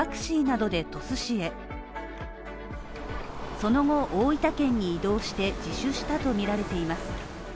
その後、大分県に移動して自首したとみられています。